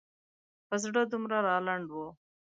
په زړه دومره رالنډ و.